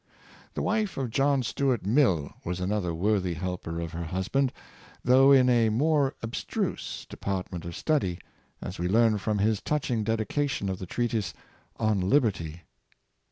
The wife of John , Stuart Mill was another worthy helper of her husband, though in a more abstruse de partment of study, as we learn from his touching dedi cation of the treatise " On Liberty."